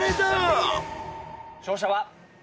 勝者は。